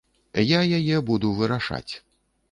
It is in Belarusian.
Я яе буду вырашаць.